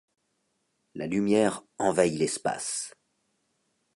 La lumière envahit l'espace.